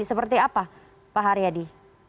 seperti apa pak aryadi